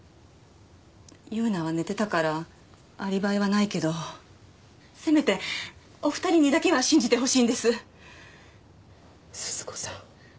優奈は寝てたからアリバイはないけどせめてお２人にだけには信じてほしいんです鈴子さん